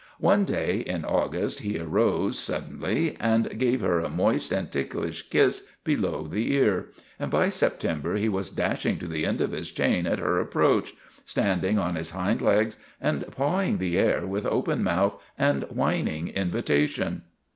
One day in August he arose suddenly and gave her a moist and ticklish kiss below the ear, and by September he was dashing to the end of his chain at her approach, standing on his hind legs and pawing the air, with open mouth and whining invitation.